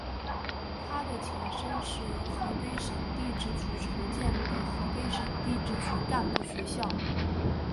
他的前身是由河北省地质局筹建的河北省地质局干部学校。